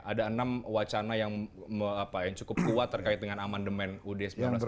ada enam wacana yang cukup kuat terkait dengan amandemen ud seribu sembilan ratus empat puluh lima